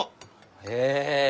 へえ。